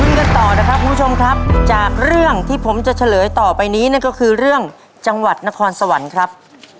กันต่อนะครับคุณผู้ชมครับจากเรื่องที่ผมจะเฉลยต่อไปนี้นั่นก็คือเรื่องจังหวัดนครสวรรค์ครับ